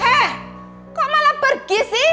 eh kok malah pergi sih